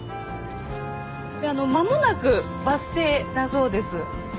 間もなくバス停だそうです。